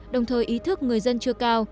đồng thời ý thức người dân chưa cao